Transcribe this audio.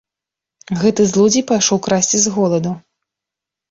Гэты злодзей пайшоў красці з голаду.